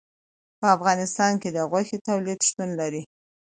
په افغانستان کې د غوښې تولید شتون لري.